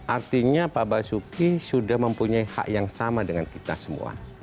artinya pak basuki sudah mempunyai hak yang sama dengan kita semua